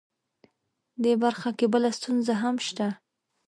دې برخه کې بله ستونزه هم شته